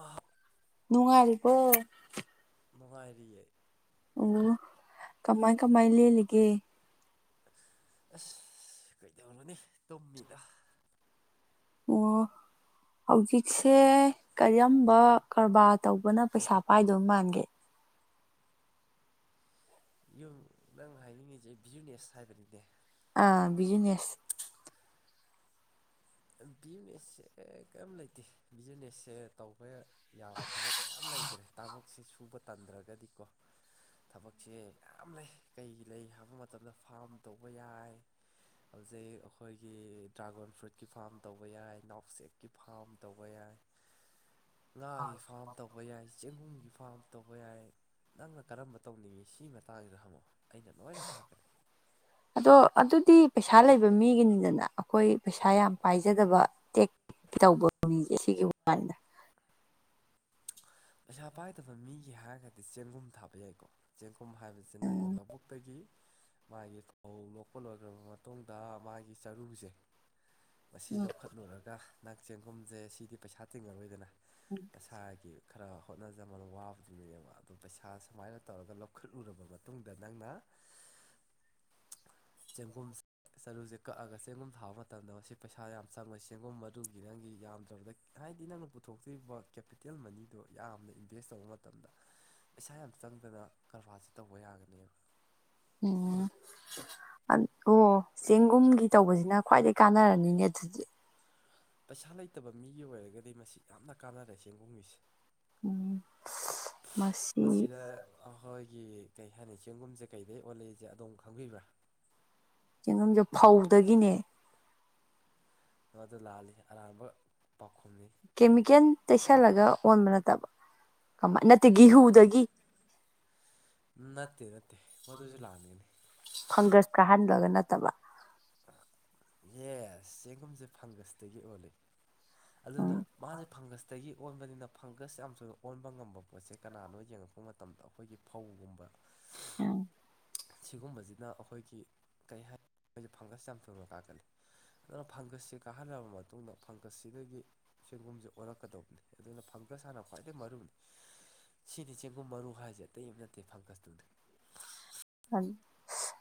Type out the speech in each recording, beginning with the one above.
ꯑꯥ ꯅꯨꯡꯉꯥꯏꯔꯤ ꯄꯣ ꯅꯨꯡꯉꯥꯏꯔꯤꯌꯦ ꯎꯝ ꯀꯃꯥꯏ ꯀꯃꯥꯏ ꯂꯦꯜꯂꯤꯒꯦ ꯑꯁ ꯀꯣꯏꯗ ꯍꯣꯅꯤ ꯇꯣꯝꯃꯤꯗ ꯑꯣ ꯍꯧꯖꯤꯛꯁꯦ ꯀꯔꯝꯕ ꯀꯔꯕꯥꯔ ꯇꯧꯕꯅ ꯄꯩꯁꯥ ꯄꯥꯏꯗꯣꯏ ꯃꯥꯟꯒꯦ ꯌꯨꯝ ꯅꯪ ꯍꯥꯏꯅꯤꯡꯉꯤꯁꯦ ꯕꯤꯖꯤꯨꯅꯦꯁ ꯍꯥꯏꯕꯅꯤꯅꯦ ꯑꯥ ꯕꯤꯖꯤꯅꯦꯁ ꯕꯤꯖꯤꯅꯦꯁꯁꯦ ꯀꯔꯤꯝ ꯂꯩꯇꯦ ꯕꯤꯖꯤꯅꯦꯁꯁꯦ ꯇꯧꯕ ꯌꯥꯕ ꯊꯕꯛ ꯃꯌꯥꯝ ꯂꯩꯈ꯭ꯔꯦ ꯊꯕꯛꯁꯦ ꯁꯨꯕ ꯇꯟꯗ꯭ꯔꯒꯗꯤꯀꯣ ꯊꯕꯛꯁꯦ ꯃꯌꯥꯝ ꯂꯩ ꯀꯩ ꯂꯩ ꯍꯥꯏꯕ ꯃꯇꯝꯗ ꯐꯥꯝ ꯇꯧꯕ ꯌꯥꯏ ꯍꯧꯖꯤꯛ ꯑꯩꯈꯣꯏꯒꯤ ꯗ꯭ꯔꯥꯒꯣꯟ ꯐ꯭ꯔꯨꯏꯠ ꯀꯤ ꯐꯥꯔꯝ ꯇꯧꯕ ꯌꯥꯏ ꯎꯁꯛꯀꯤ ꯐꯥꯔꯝ ꯇꯧꯕ ꯌꯥꯏ ꯉꯥꯒꯤ ꯐꯥꯝ ꯇꯧꯕ ꯌꯥꯏ ꯆꯦꯡꯒꯨꯝ ꯒꯤ ꯐꯥꯝ ꯇꯧꯕ ꯌꯥꯏ ꯅꯪꯅ ꯀꯔꯝꯕ ꯇꯧꯅꯤꯡꯉꯤ ꯁꯤ ꯃꯇꯥꯡꯁꯤꯗ ꯍꯪꯃꯛꯑꯣ ꯑꯗꯣ ꯑꯗꯨ ꯤ ꯄꯩꯁꯥ ꯂꯩꯕ ꯃꯤꯒꯤꯅꯤꯗꯅ ꯑꯩꯈꯣꯏ ꯄꯩꯁꯥ ꯌꯥꯝ ꯄꯥꯏꯖꯗꯕ ꯇꯦꯛ ꯇꯧꯕ ꯃꯤꯁꯦ ꯁꯤꯒꯤ ꯋꯥꯥꯟꯗ ꯄꯩꯁꯥ ꯄꯥꯏꯗꯕ ꯃꯤꯒꯤ ꯍꯥꯏꯔꯒꯗꯤ ꯆꯦꯡꯒꯨꯝ ꯊꯥꯕ ꯌꯥꯏꯀꯣ ꯆꯦꯡꯒꯨꯝ ꯍꯥꯏꯕꯁꯤ ꯅꯪꯅ ꯂꯧꯕꯨꯛꯇꯒꯤ [inaudible] ꯃꯥꯒꯤ ꯐꯧ ꯂꯣꯛꯄ ꯂꯣꯏꯈ꯭ꯔꯕ ꯃꯇꯨꯡꯗ ꯃꯥꯒꯤ ꯆꯔꯨꯁꯦ ꯃꯁꯤ ꯎꯝ ꯂꯧꯈꯠꯂꯨꯔꯒ ꯅꯥꯛ ꯆꯦꯡꯒꯨꯝꯁꯦ ꯁꯤꯗꯤ ꯄꯩꯁꯥ ꯇꯤꯡꯉꯔꯣꯏꯗꯅ ꯃꯁꯥꯒꯤ ꯈꯔ ꯍꯣꯠꯅꯖꯃꯅ ꯋꯥꯕꯗꯨꯅꯦꯅꯦꯕ ꯑꯗ ꯄꯩꯁꯥ ꯁꯨꯃꯥꯏꯅ ꯇꯧꯔꯒ ꯂꯧꯈꯠꯂꯨꯔꯕ ꯃꯇꯨꯡꯗ ꯅꯪꯅ [inaudible] ꯆꯒꯨꯝ ꯆꯔꯨꯁꯦ ꯀꯛꯑꯒ ꯆꯦꯡꯒꯨꯝ ꯊꯥꯕ ꯃꯇꯝꯗ ꯃꯁꯤ ꯄꯩꯁꯥ ꯌꯥꯝ ꯆꯪꯉ ꯆꯦꯡꯒꯨꯝ ꯃꯔꯨꯒꯤ ꯅꯪꯒꯤ ꯌꯥꯝꯗ꯭ꯔꯕꯗ ꯍꯥꯏꯗꯤ ꯅꯪꯅ ꯄꯨꯊꯣꯛꯇꯣꯔꯤꯕ ꯀꯦꯄꯤꯇꯦꯜ ꯑꯗꯣ ꯌꯥꯝꯅ ꯏꯟꯚꯦꯁ ꯇꯧꯕ ꯃꯇꯝꯗ ꯄꯩꯁꯥ ꯌꯥꯝ ꯆꯪꯗꯅ ꯀꯔꯕꯥꯔꯁ ꯇꯧꯕ ꯌꯥꯒꯅꯦꯕ ꯎꯝ ꯑꯣ ꯆꯦꯡꯒꯨꯝꯒꯤ ꯇꯧꯕꯁꯤꯅ ꯈ꯭ꯋꯥꯏꯗꯒꯤ ꯀꯥꯟꯅꯔꯅꯤꯅꯦ ꯑꯗꯨꯗꯤ ꯄꯩꯁꯥ ꯂꯩꯇꯕ ꯃꯤꯒꯤ ꯑꯣꯏꯔꯒꯗꯤ ꯃꯁꯤ ꯌꯥꯝꯅ ꯀꯥꯟꯅꯔꯦ ꯆꯦꯡꯒꯣꯡꯒꯤꯁꯦ ꯎ ꯃꯁꯤ ꯒꯤ ꯀꯩ ꯍꯥꯏꯅꯤ ꯆꯦꯡꯒꯨꯝꯁꯦ ꯀꯩꯗꯩ ꯑꯣꯂꯛꯏꯁꯦ ꯑꯣꯝ ꯈꯪꯕꯤꯕ꯭ꯔꯥ ꯆꯦꯡꯒꯨꯝꯁꯦ ꯐꯧꯗꯒꯤꯅꯦ ꯑꯗꯨꯗ ꯂꯥꯜꯂꯤ ꯑꯔꯥꯟꯕ ꯄꯥꯎꯈꯨꯝꯅꯤ ꯀꯦꯃꯤꯀꯦꯜ ꯇꯩꯁꯜꯂꯒ ꯑꯣꯟꯕ ꯅꯠꯇꯕ ꯀꯃ ꯅꯠꯇꯦ ꯒꯍꯨꯗꯒꯤ ꯅꯠꯇꯦ ꯅꯠꯇꯦ ꯃꯗꯨꯁꯨ ꯂꯥꯛꯅꯤꯅꯤ ꯇꯕ ꯌꯦ ꯆꯦꯡꯒꯨꯝꯁꯦ ꯐꯪꯒꯁꯇꯒꯤ ꯑꯣꯜꯂꯤ ꯑꯗꯨꯅ ꯎꯝ ꯃꯥꯁꯦ ꯐꯪꯒꯁꯇꯒꯤ ꯑꯣꯟꯕꯅꯤꯅ ꯐꯪꯒꯁ ꯌꯥꯝ ꯁꯨꯅ ꯑꯣꯟꯕ ꯉꯝꯕ ꯄꯣꯠꯁꯦ ꯀꯅꯥꯅꯣ ꯌꯦꯡꯉꯛꯄ ꯃꯇꯝꯗ ꯑꯩꯈꯣꯏꯒꯤ ꯐꯧꯒꯨꯝꯕ ꯑꯝ ꯁꯤꯒꯨꯝꯕꯁꯤꯅ ꯑꯩꯈꯣꯏꯒꯤ ꯀꯩ ꯍꯥꯏ ꯃꯣꯏꯁꯦ ꯐꯪꯒꯁ ꯌꯥꯝ ꯊꯨꯅ ꯀꯥꯀꯅꯤ ꯑꯗꯨꯅ ꯐꯪꯒꯁꯁꯦ ꯀꯥꯍꯜꯂꯕ ꯃꯇꯨꯡꯗ ꯐꯪꯒꯁꯁꯤꯗꯒꯤ ꯁꯦꯟꯒꯨꯝꯁꯦ ꯑꯣꯜꯂꯛꯀꯗꯧꯕꯅꯤ ꯑꯗꯨꯅ ꯀꯨꯒ ꯁꯥꯟꯅ ꯈ꯭ꯋꯥꯏꯗꯒꯤ ꯃꯔꯨꯅꯤ ꯁꯤꯗꯤ ꯆꯦꯡꯒꯨꯝ ꯃꯔꯨ ꯍꯥꯏꯁꯦ ꯑꯇꯩ ꯑꯃ ꯅꯠꯇꯦ ꯐꯪꯒꯁꯇꯨꯗꯤ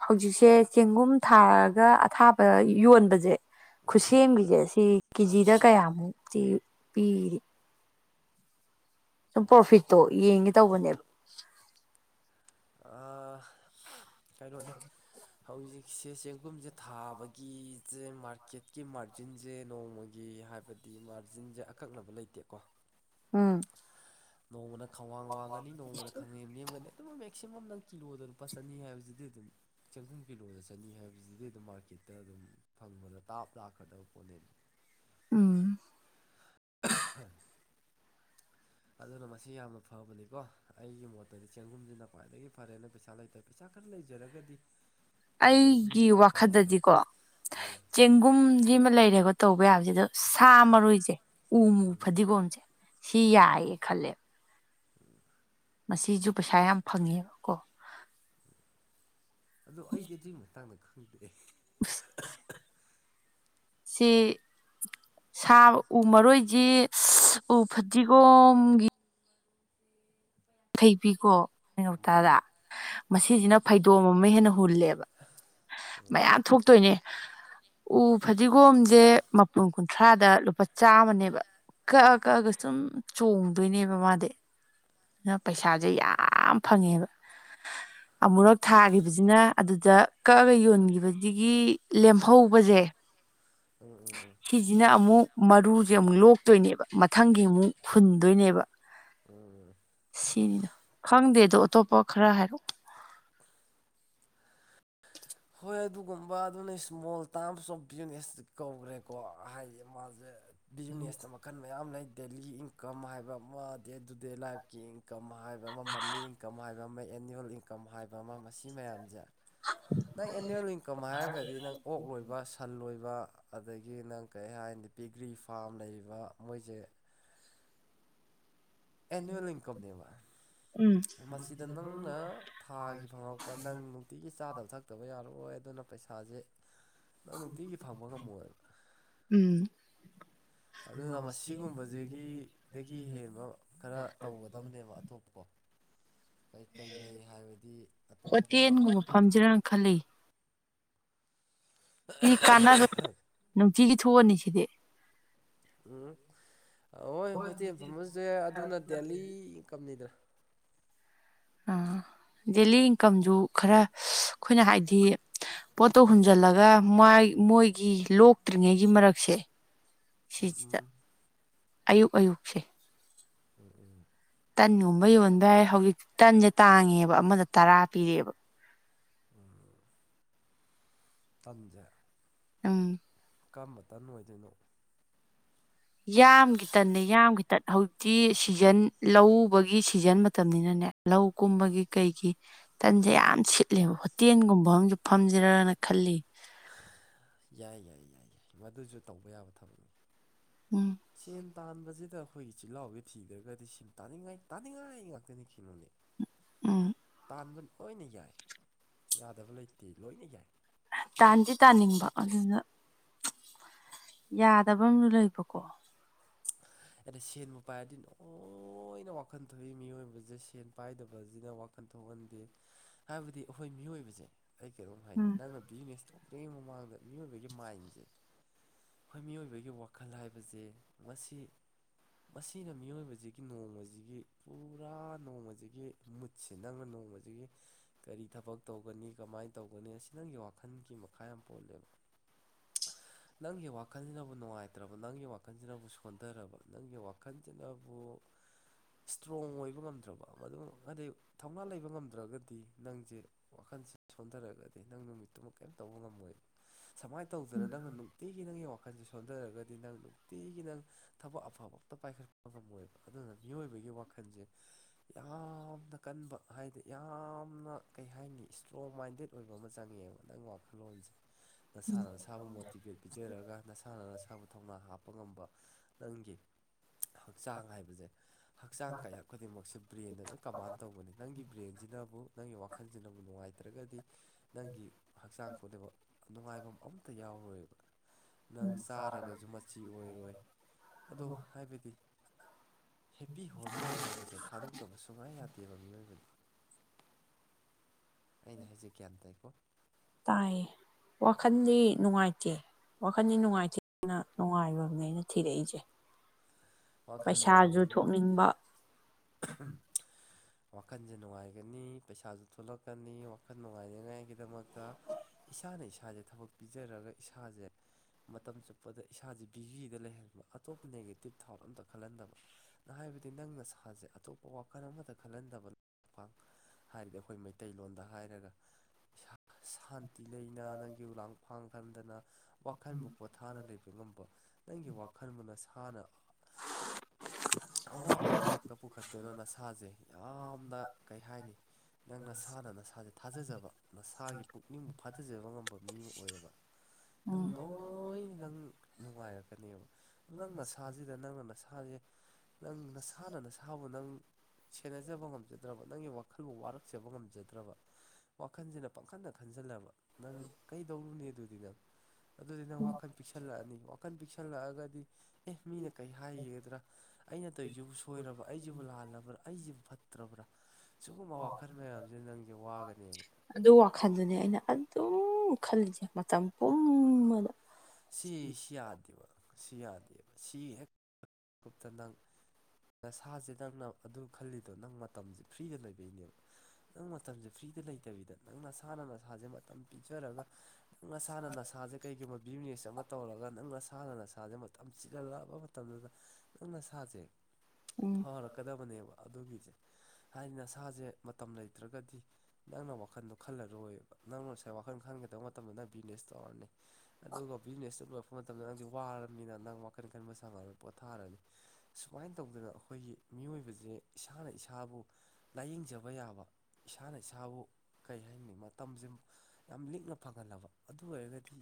ꯍꯧꯖꯤꯛꯁꯦ ꯆꯦꯡꯒꯨꯝ ꯊꯥꯔꯒ ꯑꯊꯥꯕ ꯌꯣꯟꯕꯁꯦ ꯎꯝ ꯈꯨꯠꯁꯦꯝꯒꯤꯁꯦ ꯁꯤ ꯀꯦꯖꯤꯗ ꯀꯌꯥꯃꯨꯛꯇꯤ ꯄꯤꯔꯤ ꯁꯨꯝ ꯄ꯭ꯔꯣꯐꯤꯠꯇꯣ ꯌꯦꯡꯒꯦ ꯇꯧꯕꯅꯦꯕ ꯑꯥ ꯀꯩꯅꯣꯅꯤ ꯍꯧꯖꯤꯛꯁꯦ ꯆꯦꯡꯒꯨꯝꯁꯦ ꯊꯥꯕꯒꯤꯁꯦ ꯃꯥꯔꯀꯦꯠꯀꯤ ꯃꯥꯔꯖꯤꯟꯁꯦ ꯅꯣꯡꯃꯒꯤ ꯐꯤ ꯍꯥꯏꯕꯗꯤ ꯃꯥꯔꯖꯤꯟꯁꯦ ꯑꯀꯛꯅꯕ ꯂꯩꯇꯦꯀꯣ ꯎꯝ ꯅꯣꯡꯃꯅ ꯈ꯭ꯋꯥꯡ ꯋꯥꯡꯒꯅꯤ ꯅꯣꯡꯃꯅ ꯈꯥꯡꯅꯦꯝ ꯅꯦꯝꯒꯅꯤ ꯑꯗꯨ ꯃꯦꯛꯁꯤꯃꯝ ꯅꯪ ꯀꯤꯂꯣꯗ ꯂꯨꯄꯥ ꯆꯅꯤ ꯍꯥꯏꯕꯁꯤꯗꯤ ꯑꯗꯨꯝ ꯆꯪꯈꯨꯝ ꯀꯤꯂꯣꯗ ꯆꯅꯤ ꯍꯥꯏꯕꯁꯤꯗꯤ ꯑꯗꯨꯝ ꯃꯥꯔꯀꯦꯠ ꯍꯦꯛꯇ ꯑꯗꯨꯝ ꯐꯪꯕꯗ ꯇꯥꯞ ꯂꯥꯛꯀ꯭ꯔꯗꯕ ꯄꯣꯠꯅꯦ ꯎꯝ ꯑꯗꯨꯅ ꯃꯁꯤ ꯌꯥꯝꯅ ꯐꯕꯅꯤꯀꯣ ꯑꯩꯒꯤ ꯃꯣꯠꯇꯗꯤ ꯆꯦꯡꯒꯨꯝꯁꯤꯅ ꯈ꯭ꯋꯥꯏꯗꯒꯤ ꯐꯔꯦꯅ ꯄꯩꯁꯥ ꯂꯩꯇꯦ ꯄꯩꯁꯥ ꯈꯔ ꯂꯩꯖꯔꯒꯗꯤ ꯑꯗꯒꯤ ꯑꯩꯒꯤ ꯑꯐꯕ ꯋꯥꯈꯜꯗꯗꯤꯀꯣ ꯍꯥꯏꯇꯥꯔꯦ ꯎꯝ ꯆꯦꯡꯒꯨꯝꯗꯤꯃ ꯂꯩꯔꯦꯀꯣ ꯇꯧꯕ ꯌꯥꯕꯁꯤ ꯑꯗꯣ ꯁꯥ ꯃꯔꯣꯏꯁꯦ ꯎꯃꯨ ꯎꯝ ꯐꯗꯤꯒꯣꯝꯁꯦ ꯁꯤ ꯌꯥꯏꯌꯦ ꯈꯜꯂꯦ ꯃꯁꯤꯁꯨ ꯄꯩꯁꯥ ꯌꯥꯝ ꯐꯪꯉꯦꯕ ꯀꯣ ꯑꯗꯨ ꯑꯩꯗꯤ ꯑꯗꯨꯒꯤ ꯃꯇꯥꯡꯗ ꯈꯪꯗꯦ [unintelligible] ꯁꯤ ꯁꯥ ꯎ ꯃꯔꯣꯏꯁꯤ ꯎ ꯐꯗꯤꯒꯣꯝꯒꯤ ꯡꯈꯩꯕꯤꯀꯣ ꯍ ꯎꯝ ꯉꯧꯇꯥꯗ ꯃꯁꯤꯁꯤꯅ ꯐꯩꯗꯣꯝ ꯑꯃ ꯍꯦꯟꯅ ꯍꯨꯜꯂꯦꯕ ꯎꯝ ꯎꯝ ꯃꯌꯥꯝ ꯊꯣꯛꯇꯣꯏꯅꯦ ꯎ ꯐꯗꯤꯒꯣꯝꯁꯦ ꯃꯄꯨꯟ ꯀꯨꯟꯊ꯭ꯔꯥꯗ ꯂꯨꯄꯥ ꯆꯥꯝꯃꯅꯦꯕ ꯀꯛꯑ ꯀꯛꯑꯒ ꯁꯨꯝ ꯆꯣꯡꯗꯣꯏꯅꯦꯕ ꯃꯥꯗꯤ ꯅ ꯄꯩꯁꯥꯁꯦ ꯌꯥꯝ ꯐꯪꯉꯦꯕ ꯑꯃꯨꯔꯛ ꯊꯥꯈꯤꯕꯁꯤꯅ ꯑꯗꯨꯗ ꯀꯛꯑꯒ ꯌꯣꯟꯈꯤꯕꯗꯒꯤ ꯂꯦꯝꯍꯧꯕꯁꯦ ꯎꯝ ꯎꯝ ꯎꯝ [unintelligible] ꯁꯤꯁꯤꯅ ꯑꯃꯨꯛ ꯃꯔꯨꯁꯦ ꯑꯃꯨꯛ ꯂꯣꯛꯇꯣꯏꯅꯦꯕ ꯃꯊꯪꯒꯤ ꯑꯃꯨꯛ ꯍꯨꯟꯗꯣꯏꯅꯦꯕ ꯎꯝ ꯁꯤꯅꯤꯗꯣ ꯈꯪꯗꯦꯗꯣ ꯑꯇꯣꯞꯄ ꯈꯔ ꯍꯥꯏꯔꯛꯣ [unintelligible] ꯍꯣꯏ ꯑꯗꯨꯒꯨꯝꯕ ꯑꯗꯨꯅ ꯏꯁ ꯃꯣꯜ ꯇꯥꯝꯁꯨ ꯑꯣꯐ ꯕꯤꯖꯤꯅꯦꯁꯇ ꯀꯧꯈ꯭ꯔꯦꯀꯣ ꯍꯥꯏꯗꯤ ꯃꯥꯁꯦ ꯕꯤꯖꯤꯅꯦꯁꯇ ꯃꯈꯜ ꯃꯌꯥꯝ ꯂꯩ ꯗꯦꯂꯤ ꯏꯟꯀꯝ ꯍꯥꯏꯕ ꯑꯃ ꯗꯦ ꯇꯨ ꯗꯦ ꯂꯥꯏꯐꯀꯤ ꯏꯟꯀꯝ ꯍꯥꯏꯕ ꯑꯃ ꯃꯜꯂꯤ ꯏꯟꯀꯝ ꯍꯥꯏꯕ ꯑꯃ ꯑꯦꯅꯨꯋꯦꯜ ꯏꯟꯀꯝ ꯍꯥꯏꯕ ꯑꯃ ꯃꯁꯤ ꯃꯌꯥꯝꯁꯦ ꯅꯪ ꯑꯦꯅꯨꯋꯦꯜ ꯏꯟꯀꯝ ꯍꯥꯏꯔꯒꯗꯤ ꯅꯪ ꯑꯣꯛ ꯂꯣꯏꯕ ꯁꯟ ꯂꯣꯏꯕ ꯑꯗꯒꯤ ꯅꯪ ꯀꯔꯤ ꯍꯥꯏꯅꯤꯗꯤ ꯄꯤꯒ꯭ꯔꯤ ꯐꯥꯝ ꯂꯩꯔꯤꯕ ꯃꯣꯏꯁꯦ ꯑꯦꯟꯋꯦꯜ ꯏꯟꯀꯝꯅꯦꯕ ꯎꯝ ꯃꯁꯤꯗ ꯅꯪꯅ ꯊꯥꯒꯤ ꯐꯪꯉꯛꯄ ꯅꯪ ꯅꯨꯡꯇꯤꯒꯤ ꯆꯥꯗꯕ ꯊꯛꯇꯕ ꯌꯥꯔꯣꯏ ꯑꯗꯨꯅ ꯄꯩꯁꯥꯁꯦ ꯅꯪ ꯅꯨꯡꯇꯤꯒꯤ ꯐꯪꯕ ꯉꯝꯃꯣꯏꯕ ꯎꯝ ꯑꯗꯨꯅ ꯃꯁꯤꯒꯨꯝꯕꯁꯤꯒꯤ ꯗꯒꯤ ꯍꯦꯟꯕ ꯈꯔ ꯇꯧꯒꯗꯕꯅꯦꯕ ꯑꯇꯣꯞꯄꯀꯣ ꯀꯩꯀꯩ ꯂꯩ ꯍꯥꯏꯕꯗꯤ ꯑꯇꯣꯞꯄ ꯍꯣꯇꯦꯜꯒꯨꯝꯕ ꯐꯝꯁꯤꯔꯅ ꯈꯜꯂ ꯁꯤꯗꯤ ꯀꯥꯟꯅ ꯅꯨꯡꯇꯤꯒꯤ ꯊꯣꯛꯑꯅꯤ ꯁꯤꯗꯤ ꯎꯝ ꯍꯣꯏ ꯍꯣꯇꯦꯜ ꯐꯝꯃꯁꯨꯗꯤ ꯑꯗꯨꯅ ꯗꯦꯜꯂꯤ ꯏꯟꯀꯝꯅꯤꯗꯅ ꯗꯦꯜꯂꯤ ꯏꯟꯀꯝꯗꯨ ꯈꯔ ꯑꯩꯈꯣꯏꯅ ꯍꯥꯏꯗꯤ ꯄꯣꯠꯇꯣ ꯍꯨꯝꯖꯤꯜꯂꯒ ꯃꯣꯏꯒꯤ ꯂꯣꯛꯇ꯭ꯔꯤꯉꯩꯒꯤ ꯃꯔꯛꯁꯦ ꯎꯝ ꯁꯤꯁꯤꯗ ꯎꯝ ꯑꯌꯨꯛ ꯑꯌꯨꯛꯁꯦ ꯎꯝ ꯎꯝ ꯇꯟꯒꯨꯝꯕ ꯌꯣꯟꯕ ꯌꯥꯏ ꯍꯧꯖꯤꯛꯇꯤ ꯇꯟꯁꯦ ꯇꯥꯡꯉꯦꯕ ꯑꯃꯗ ꯇꯔꯥ ꯄꯤꯔꯛꯑꯦꯕ ꯇꯟꯖ ꯎꯝ ꯀꯝꯕꯇꯟ ꯑꯣꯏꯗꯣꯏꯅꯣ ꯌꯥꯝꯒꯤ ꯇꯟꯟꯅ ꯌꯥꯝ ꯈꯤꯇꯟ ꯍꯧꯖꯤꯛꯇꯤ ꯁꯤꯖꯟ ꯂꯧꯕꯒꯤ ꯁꯤꯖꯟ ꯃꯇꯝꯅꯤꯅꯅꯦ ꯂꯧ ꯀꯨꯝꯕꯒꯤ ꯀꯩꯒꯤ ꯇꯟꯁꯦ ꯌꯥꯝ ꯁꯤꯠꯂꯦꯕ ꯍꯣꯇꯦꯜꯒꯨꯝꯕ ꯑꯃꯁꯝꯨ ꯐꯝꯖꯔꯒꯅ ꯈꯜꯂꯤ ꯌꯥꯏ ꯌꯥꯏ ꯌꯥꯏ ꯌꯥꯏ ꯃꯗꯨꯁꯨ ꯇꯧꯕ ꯌꯥꯕ ꯊꯕꯛꯅꯤ ꯎꯝ ꯁꯦꯟ ꯇꯥꯟꯕꯕꯁꯤꯗ ꯑꯩꯈꯣꯏꯒꯤ ꯆꯤꯜꯍꯥꯎꯒꯤ ꯊꯤꯗ꯭ꯔꯒꯗꯤ ꯁꯤ ꯇꯥꯅꯤꯡꯉꯥꯏ ꯇꯥꯅꯤꯡꯉꯥꯏ ꯉꯥꯛꯇꯅꯤ ꯀꯩꯅꯣꯅꯦ ꯎꯝ ꯄꯥꯟꯕꯥꯟꯕ ꯂꯣꯏꯅ ꯌꯥꯏ ꯌꯥꯗꯕ ꯂꯩꯇꯦ ꯂꯣꯏꯅ ꯌꯥꯏ ꯇꯥꯟꯗꯤ ꯇꯥꯅꯤꯡꯕ ꯑꯗꯨꯅ ꯌꯥꯗꯕ ꯑꯃꯅ ꯂꯩꯕꯀꯣ ꯑꯗ ꯁꯦꯟꯕꯨ ꯄꯥꯏꯔꯗꯤ ꯂꯣꯏꯅ ꯋꯥꯈꯟ ꯊꯣꯛꯏ ꯃꯤꯑꯣꯏꯕꯁꯦ ꯁꯦꯟ ꯄꯥꯏꯗꯕꯁꯤꯅ ꯋꯥꯈꯜ ꯍꯟꯊꯣꯛꯍꯟꯗꯦ ꯍꯥꯏꯕꯗꯤ ꯑꯩꯈꯣꯏ ꯃꯤꯑꯣꯏꯕꯁꯦ ꯑꯩ ꯀꯩꯗꯣꯧꯝ ꯍꯥꯏꯒ ꯎꯝ ꯅꯪꯅ ꯕꯤꯖꯤꯅꯦꯁꯇꯣ ꯑꯗꯨꯒꯤ ꯃꯃꯥꯡꯗ ꯃꯤꯑꯣꯏꯕꯒꯤ ꯃꯥꯏꯟꯁꯦ ꯑꯩꯈꯣꯏ ꯃꯤꯑꯣꯏꯕꯒꯤ ꯋꯥꯈꯜ ꯍꯥꯏꯕꯁꯦ ꯃꯁꯤ [inaudible] ꯃꯁꯤꯅ ꯃꯤꯑꯣꯏꯕꯁꯤꯒꯤ ꯅꯣꯡꯃꯁꯤꯒꯤ ꯄꯨꯔꯥ ꯅꯣꯡꯃꯁꯤꯒꯤ ꯃꯨꯠꯁꯦ ꯅꯪꯅ ꯅꯣꯡꯃꯁꯤ ꯑꯗꯒꯤ ꯀꯔꯤ ꯊꯕꯛ ꯇꯧꯒꯅꯤ ꯀꯃꯥꯏꯅ ꯇꯧꯒꯅꯤ ꯑꯁꯤ ꯅꯪꯒꯤ ꯋꯥꯈꯜꯒꯤ ꯃꯈꯥ ꯌꯥꯝ ꯄꯣꯜꯂꯦꯕ ꯅꯪꯒꯤ ꯋꯥꯈꯜꯁꯤꯅꯕꯨ ꯅꯨꯡꯉꯥꯏꯇ꯭ꯔꯕ ꯅꯪꯒꯤ ꯋꯥꯈꯜꯁꯤꯅꯕꯨ ꯁꯣꯟꯊꯔꯕ ꯅꯪꯒꯤ ꯋꯥꯈꯜꯁꯤꯅꯕꯨ ꯏꯁꯇ꯭ꯔꯣꯡ ꯑꯣꯏꯕ ꯉꯝꯗ꯭ꯔꯕ ꯃꯗꯨ ꯑꯗꯩ ꯊꯧꯅꯥ ꯂꯩꯕ ꯉꯝꯗ꯭ꯔꯒꯗꯤ ꯅꯪꯁꯦ ꯋꯥꯈꯜ ꯁꯣꯟꯊꯔꯒꯗꯤ ꯅꯪ ꯅꯨꯃꯤꯠꯇꯨꯃꯛ ꯀꯔꯤꯝ ꯇꯧꯕ ꯉꯝꯃꯣꯏꯕ ꯁꯨꯃꯥꯏꯅ ꯇꯧꯗꯅ ꯅꯪꯅ ꯅꯨꯡꯇꯤꯒꯤ ꯅꯪꯒꯤ ꯋꯥꯈꯜꯁꯦ ꯁꯣꯟꯊꯔꯒꯗꯤ ꯅꯪ ꯅꯨꯡꯇꯤꯒꯤ ꯅꯪ ꯊꯕꯛ ꯑꯐꯕ ꯑꯝꯇ ꯄꯥꯏꯈꯠꯄ ꯉꯝꯃꯣꯏꯕ ꯑꯗꯨꯅ ꯃꯤꯑꯣꯏꯕꯒꯤ ꯋꯥꯈꯜꯁꯦ ꯌꯥꯝꯅ ꯀꯟꯕ ꯍꯥꯏꯗꯤ ꯌꯥꯝꯅ ꯀꯩ ꯍꯥꯏꯅꯤ ꯏꯁꯇ꯭ꯔꯣꯡ ꯃꯥꯏꯟꯗꯦꯠ ꯑꯣꯏꯕ ꯑꯃ ꯆꯪꯉꯦꯕ ꯅꯪꯒꯤ ꯋꯥꯈꯜꯂꯣꯟꯁꯦ ꯅꯁꯥꯅ ꯅꯁꯥꯕꯨ ꯃꯣꯇꯤꯚꯦꯠ ꯄꯤꯖꯔꯒ ꯅꯁꯥꯅ ꯅꯁꯥꯕꯨ ꯊꯧꯅꯥ ꯍꯥꯞꯄ ꯉꯝꯕ ꯅꯪꯒꯤ [inaudible] ꯍꯛꯆꯥꯡ ꯍꯥꯏꯕꯁꯦ ꯍꯛꯆꯥꯡ ꯀꯌꯥ ꯈꯨꯗꯤꯡꯃꯛꯁꯦ ꯕ꯭ꯔꯦꯟꯗ ꯂꯣꯏ ꯀꯃꯥꯟ ꯇꯧꯕꯅꯦ ꯅꯪꯒꯤ ꯕ꯭ꯔꯦꯟꯁꯤꯅ ꯅꯪꯒꯤ ꯋꯥꯈꯜꯁꯤꯅꯕꯨ ꯅꯨꯡꯉꯥꯏꯇ꯭ꯔꯒꯗꯤ ꯅꯪꯒꯤ ꯍꯛꯆꯥꯡ ꯀꯕ ꯅꯨꯡꯉꯥꯏꯐꯝ ꯑꯃꯇ ꯌꯥꯎꯔꯣꯏꯕ ꯅꯪ ꯆꯥꯔꯒꯁꯨ ꯃꯆꯤ ꯑꯣꯏꯔꯣꯏ ꯑꯗꯣ ꯍꯥꯏꯕꯗꯤ ꯍꯦꯞꯄꯤ ꯍꯣꯔꯃꯣꯟ ꯍꯥꯏꯕꯁꯦ ꯊꯥꯗꯣꯛꯇꯕ ꯁꯨꯡꯌꯥ ꯌꯥꯗꯦꯕ ꯃꯤꯑꯣꯏꯕꯗ ꯑꯩꯅ ꯍꯥꯏꯖꯦ ꯒ꯭ꯌꯥꯟ ꯇꯥꯏꯀꯣ ꯇꯥꯏꯌꯦ ꯋꯥꯈꯟꯗꯤ ꯅꯨꯡꯉꯥꯏꯇꯦ ꯋꯥꯈꯟꯗꯤ ꯅꯨꯡꯉꯥꯏ-ꯊꯤꯅ ꯅꯨꯡꯉꯥꯏꯕꯝꯅꯦ ꯑꯩꯅ ꯊꯤꯔꯛꯏꯁꯦ ꯋꯥꯈꯜ ꯄꯩꯁꯥꯁꯨ ꯅꯨꯡꯉꯥꯏꯒꯅꯤ ꯊꯣꯛꯅꯤꯡꯕ ꯋꯥꯈꯜꯁꯦ ꯅꯨꯡꯉꯥꯏꯒꯅꯤ ꯄꯩꯁꯥꯁꯨ ꯊꯣꯛꯂꯛꯀꯅꯤ ꯋꯥꯈꯜ ꯅꯨꯡꯉꯥꯏꯅꯤꯉꯥꯏꯒꯤꯗꯃꯛꯇ ꯏꯁꯥꯅ ꯏꯁꯥꯁꯦ ꯊꯕꯛ ꯄꯤꯖꯔꯒ ꯏꯁꯥꯁꯦ ꯃꯇꯝ ꯆꯨꯞꯄꯗ ꯏꯁꯥꯥꯁꯦ ꯕꯤꯖꯤꯗ ꯂꯩꯍꯟꯕ ꯑꯇꯣꯞꯄ ꯅꯦꯒꯦꯇꯤꯞ ꯊꯥꯎꯠ ꯑꯝꯇ ꯈꯜꯍꯟꯗꯕ ꯅ ꯍꯥꯏꯕꯗꯤ ꯅꯪꯅ ꯅꯁꯥꯁꯦ ꯑꯇꯣꯞꯄ ꯋꯥꯈꯜ ꯑꯃꯇ ꯈꯜꯍꯟꯗꯕ ꯥꯕ ꯍꯥꯏꯔꯗꯤ ꯑꯩꯈꯣꯏ ꯃꯩꯇꯩꯂꯣꯟꯗ ꯍꯥꯏꯔꯒ ꯁꯥ ꯁꯥꯟ ꯇꯤ ꯂꯩꯅ ꯅꯪꯒꯤ ꯎ ꯂꯥꯡ ꯐꯥꯡ ꯈꯟꯗꯅ ꯋꯥꯈꯟꯕꯨ ꯄꯣꯊꯥꯅ ꯂꯩꯕ ꯉꯝꯕ ꯅꯪꯒꯤ ꯋꯥ ꯈꯟꯕ ꯅꯁꯥꯅ ꯑꯋꯥꯡꯕ ꯊꯥꯛꯇ ꯄꯨꯈꯠꯇꯨꯅ ꯅꯁꯥꯁꯦ ꯌꯥꯝꯅ ꯀꯩ ꯍꯥꯏꯅꯤ ꯅꯪ ꯅꯁꯥꯅ ꯅꯁꯥꯁꯦ ꯊꯥꯖꯖꯕ ꯅꯁꯥꯒꯤ ꯄꯨꯛꯅꯤꯡꯕꯨ ꯐꯥꯊꯖꯕ ꯉꯝꯕ ꯃꯤ ꯑꯃ ꯑꯣꯏꯔꯕ ꯅꯪ ꯂꯣꯏꯅ ꯅꯪ ꯅꯨꯡꯉꯥꯏꯔꯛꯀꯅꯦꯕ ꯑꯗꯨ ꯅꯪ ꯅꯁꯥꯁꯤꯗ ꯅꯪꯅ ꯅꯁꯥꯁꯦ ꯅꯪ ꯅꯁꯥꯅ ꯅꯁꯥꯕꯨ ꯅꯪ ꯁꯦꯟꯅꯖꯕ ꯉꯝꯖꯗ꯭ꯔꯕ ꯅꯪꯒꯤ ꯋꯥꯈꯟꯕꯨ ꯋꯥꯔꯛꯆꯕ ꯉꯝꯖꯗ꯭ꯔꯕ ꯋꯥ ꯈꯟꯁꯤꯅ ꯄꯡꯈꯟꯅ ꯈꯟꯖꯜꯂꯕ ꯅꯪ ꯀꯩꯗꯧꯔꯨꯅꯤ ꯑꯗꯨꯗꯤ ꯅꯪ ꯑꯗꯨꯗꯤ ꯅꯪ ꯋꯥꯈꯜ ꯄꯤꯛꯁꯜꯂꯛꯑꯅꯤ ꯋꯥꯈꯜ ꯄꯤꯛꯁꯜꯂꯛ ꯑꯒꯗꯤ ꯑꯦ ꯃꯤꯅ ꯀꯩ ꯍꯥꯏꯒꯤꯒꯗ꯭ꯔꯥ ꯑꯩꯅ ꯇꯧꯏꯁꯤꯕꯨ ꯁꯣꯏꯔꯕ ꯑꯩꯁꯤꯕꯨ ꯂꯥꯜꯂꯕ꯭ꯔꯥ ꯑꯩꯁꯤꯕꯨ ꯐꯠꯇ꯭ꯔꯕ꯭ꯔꯥ ꯁꯤꯒꯨꯝꯕ ꯋꯥꯈꯜ ꯃꯌꯥꯝꯁꯦ ꯅꯪꯁꯦ ꯋꯥꯒꯅꯦꯕ ꯑꯗꯨ ꯋꯥꯈꯜꯗꯨꯅꯦ ꯑꯩꯅ ꯑꯗꯨꯝ ꯈꯜꯂꯤꯁꯦ ꯃꯇꯝ ꯄꯨꯝꯕꯗ ꯁꯤ ꯁꯤ ꯌꯥꯗꯦꯕ ꯁꯤ ꯌꯥꯗꯦꯕ ꯁꯤ ꯍꯦꯛ ꯀꯨꯞꯇ ꯅꯪ ꯅꯁꯥꯁꯦ ꯅꯪꯅ ꯑꯗꯨ ꯈꯜꯂꯤꯗꯣ ꯅꯪ ꯃꯇꯝꯁꯦ ꯐ꯭ꯔꯤꯗ ꯂꯩꯕꯩꯅꯦꯕ ꯅꯪ ꯃꯇꯝꯁꯦ ꯐ꯭ꯔꯤ ꯁꯤꯗ ꯂꯩꯇꯕꯤꯗ ꯅꯪ ꯅꯁꯥꯅ ꯅꯁꯥꯁꯦ ꯃꯇꯝ ꯄꯤꯖꯔꯒ ꯅꯪ ꯅꯁꯥꯅ ꯅꯁꯥꯁꯦ ꯀꯩꯒꯨꯝ ꯕꯤꯖꯤꯅꯦꯁ ꯑꯃ ꯇꯧꯔꯒ ꯅꯪ ꯅꯁꯥꯅ ꯅꯁꯥꯁꯦ ꯃꯇꯝ ꯆꯤꯜꯍꯜꯂꯛꯑꯕ ꯃꯇꯝꯗꯇ ꯅꯪ ꯅꯁꯥꯁꯦ ꯎꯝ ꯐꯔꯛꯀꯗꯕꯅꯦꯕ ꯑꯗꯨꯒꯤꯁꯦ ꯍꯥꯏꯗꯤ ꯅꯁꯥ ꯏꯁꯥꯁꯦ ꯃꯇꯝ ꯂꯩꯇ꯭ꯔꯒꯗꯤ ꯅꯪꯅ ꯋꯥꯈꯟꯗꯣ ꯈꯜꯂꯔꯣꯏꯕ ꯅꯪꯅ ꯉꯁꯥꯏ ꯋꯥꯈꯜ ꯈꯟꯒꯗꯕ ꯃꯇꯝꯗ ꯅꯪ ꯕꯤꯖꯤꯅꯦꯁ ꯇꯧꯔꯅꯤ ꯑꯗꯨꯒ ꯕꯤꯖꯤꯅꯦꯁꯇꯨ ꯂꯣꯏꯔꯛꯄ ꯃꯇꯝꯗ ꯅꯪꯗꯤ ꯋꯥꯔꯕꯅꯤꯅ ꯅꯪ ꯋꯥꯈꯟ ꯈꯟꯕ ꯁꯡꯉꯔꯣꯏ ꯄꯣꯊꯥꯔꯅꯤ ꯁꯨꯃꯥꯏꯅ ꯇꯧꯗꯅ ꯑꯩꯈꯣꯏꯒꯤ ꯃꯤꯑꯣꯏꯕꯖꯦ ꯏꯁꯥꯅ ꯏꯁꯥꯕꯨ ꯂꯥꯏꯌꯦꯡ ꯅꯤꯡꯤꯡꯖꯕ ꯌꯥꯕ ꯏꯁꯥꯅ ꯏꯁꯥꯕꯨ ꯀꯩ ꯍꯥꯏꯅꯤ ꯃꯇꯝꯁꯦ ꯌꯥꯝ ꯂꯤꯛꯅ ꯐꯪꯍꯜꯂꯕ ꯑꯗꯨ ꯑꯣꯏꯔꯒꯗꯤ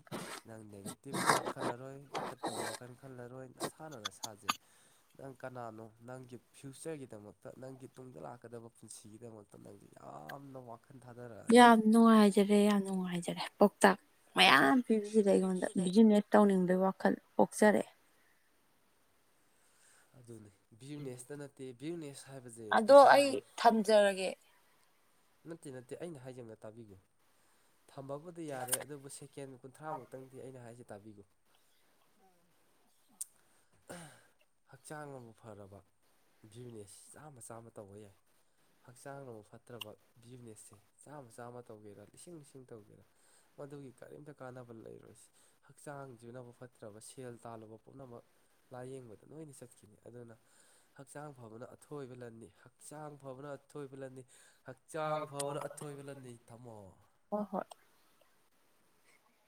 ꯅꯪ ꯅꯦꯒꯦꯇꯤꯞ ꯊꯥꯎꯠ ꯈꯜꯂꯔꯣꯏ ꯐꯠꯇꯕ ꯋꯥꯈꯜ ꯈꯜꯂꯔꯣꯏ ꯅ ꯁꯥꯅ ꯅꯁꯥ ꯅꯪ ꯀꯅꯥꯅꯣ ꯅꯪꯒꯤ ꯐ꯭ꯌꯨꯆꯔꯒꯤꯗꯃꯛꯇ ꯅꯪꯒꯤ ꯇꯨꯡꯗ ꯂꯥꯛꯀꯗꯕ ꯄꯨꯟꯁꯤꯒꯤꯗꯃꯛꯇ ꯅꯪꯁꯦ ꯌꯥꯝꯅ ꯋꯥ ꯌꯥꯝ ꯅꯨꯡꯉꯥꯏꯖꯔꯦ ꯌꯥꯝ ꯅꯨꯡꯉꯥꯏꯖꯔꯦ ꯄꯥꯎꯇꯥꯛ ꯃꯌꯥꯝ ꯄꯤꯕꯤꯕ ꯑꯩꯉꯣꯟꯗ ꯕꯤꯖꯤꯅꯦꯁ ꯇꯧꯅꯤꯡꯕꯒꯤ ꯋꯥꯈꯜ ꯑꯣꯛꯆꯔꯛꯑꯦ ꯑꯗꯨꯅꯤ ꯚꯌꯨꯖꯅꯦꯁꯇ ꯅꯠꯇꯦ ꯚꯌꯨꯅꯦꯁ ꯑꯗꯣ ꯑꯩ ꯊꯝꯖꯔꯒꯦ ꯅꯠꯇꯦ ꯅꯠꯇꯦ ꯑꯩꯅ ꯍꯥꯏꯖꯦ ꯑꯝꯇꯥ ꯇꯥꯕꯤꯈꯣ ꯊꯝꯕꯕꯨꯗꯤ ꯌꯥꯔꯦ ꯑꯗꯨꯕꯨ ꯁꯦꯀꯦꯟ ꯀꯨꯟꯊ꯭ꯔꯥꯃꯨꯛꯇꯪꯗꯤ ꯑꯩꯅ ꯍꯥꯏꯁꯦ ꯇꯥꯕꯤꯒꯨ [inaudible] ꯍꯛꯆꯥꯡꯅꯕꯨ ꯐꯔꯕ ꯕꯌꯨꯖꯤꯅꯦꯁ ꯆꯥꯝꯃ ꯆꯥꯝꯃ ꯇꯧꯕ ꯌꯥꯏ ꯍꯛꯆꯥꯡ ꯅꯕꯨ ꯐꯠꯇ꯭ꯔꯕ ꯕꯤꯖꯤꯅꯦꯁꯁꯦ ꯆꯥꯝꯃ ꯆꯥꯝꯃ ꯇꯧꯒꯦꯔꯥ ꯂꯤꯁꯤꯡ ꯂꯤꯁꯤꯡ ꯇꯧꯒꯦꯔꯥ ꯃꯗꯨꯒꯤ ꯀꯔꯤꯝꯇ ꯀꯥꯟꯅꯕ ꯂꯩꯔꯣꯏ ꯍꯛꯆꯥꯡꯁꯤꯅꯕꯨ ꯐꯠꯇ꯭ꯔꯕ ꯁꯦꯜ ꯇꯥꯜꯂꯨꯕ ꯄꯨꯝꯅꯃꯛ ꯂꯥꯏꯌꯦꯡꯕꯗ ꯂꯣꯏꯅ ꯆꯠꯈꯤꯅꯤ ꯑꯗꯨꯅ ꯍꯛꯆꯥꯡ ꯐꯕꯅ ꯑꯊꯣꯏꯕ ꯂꯟꯅꯤ ꯍꯛꯆꯥꯡ ꯐ ꯐꯕꯅ ꯑꯊꯣꯏꯕ ꯂꯅꯤ ꯍꯛꯆꯥꯡ ꯐꯕꯅ ꯑꯊꯣꯏꯕ ꯂꯟꯅꯤ ꯊꯝꯃꯣ ꯍꯣꯏ ꯍꯣꯏ